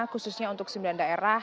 khususnya untuk sembilan daerah